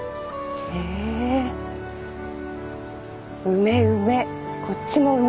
梅梅こっちも梅。